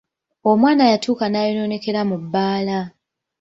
Omwana yatuuka n'ayonoonekera mu bbaala.